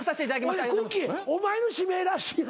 お前の指名らしい。